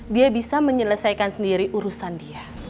dia bisa menyelesaikan sendiri urusan dia